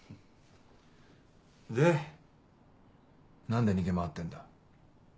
何で逃げ回ってんだ？